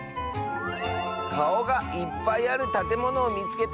「かおがいっぱいあるたてものをみつけた！」。